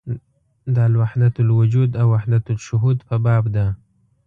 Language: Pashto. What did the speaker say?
د وحدت الوجود او وحدت الشهود په باب ده.